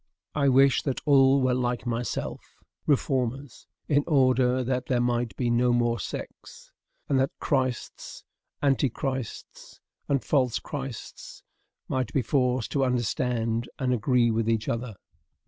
I wish that all were, like myself, reformers, in order that there might be no more sects; and that Christs, Anti Christs, and false Christs might be forced to understand and agree with each other.